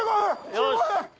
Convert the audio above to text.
よし。